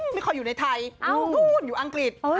ไม่ค่อยอยู่ในไทยนู้นอยู่อังกฤษ